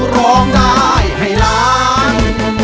ร้องได้ให้ล้าน